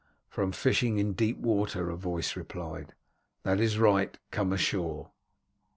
"From fishing in deep water," a voice replied. "That is right, come ashore."